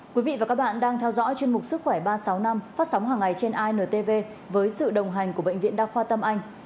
quý vị và các bạn đang theo dõi chuyên mục sức khỏe ba trăm sáu mươi năm phát sóng hàng ngày trên intv với sự đồng hành của bệnh viện đa khoa tâm anh